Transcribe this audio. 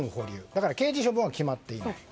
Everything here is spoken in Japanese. だから刑事処分は決まっていない。